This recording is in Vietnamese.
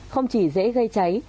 không chỉ dễ gây cháy